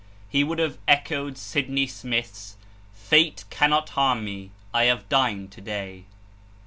He would have echoed Sydney Smith's "Fate cannot harm me I have dined to day."